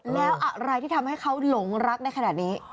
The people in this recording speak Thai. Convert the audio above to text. แล้วอะไรที่ทำให้เขาหลงรักได้ขนาดนี้